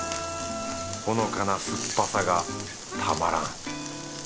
ほのかな酸っぱさがたまらん。